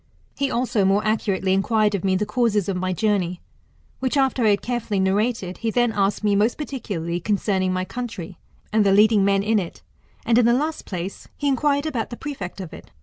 He also more accurately inquired of me the causes of my joumeyi which t6 tut METAMoftpitosis, mc after I had carefully narrated, he then asked me most par ticularly concerning my country, and the leading men in it ; and in the last place, he inquired about the prefect of it.